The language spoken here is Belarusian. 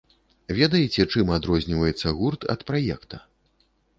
Ведаеце, чым адрозніваецца гурт ад праекта?